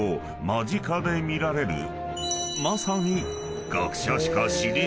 間近で見られるまさに］